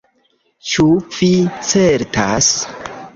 Ĉu vi certas?